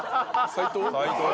斉藤？